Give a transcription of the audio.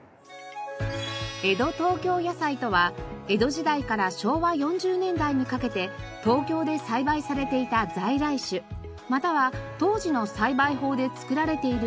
江戸東京野菜とは江戸時代から昭和４０年代にかけて東京で栽培されていた在来種または当時の栽培法で作られている野菜の事。